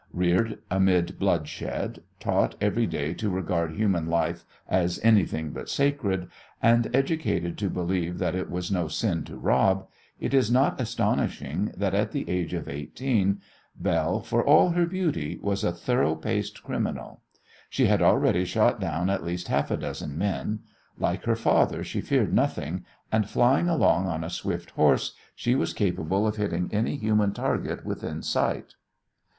Reared amid bloodshed, taught every day to regard human life as anything but sacred, and educated to believe that it was no sin to rob, it is not astonishing that at the age of eighteen Belle, for all her beauty, was a thorough paced criminal. She had already shot down at least half a dozen men; like her father she feared nothing, and flying along on a swift horse she was capable of hitting any human target within sight.